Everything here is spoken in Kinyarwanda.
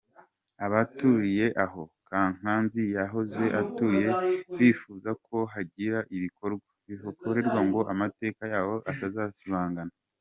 Abaturiye aho Kankazi yahoze atuye bifuza ko hagira ibikorwa bihakorerwa ngo amateka yaho atazasibangana.